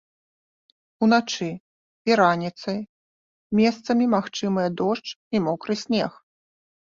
Уначы і раніцай месцамі магчымыя дождж і мокры снег.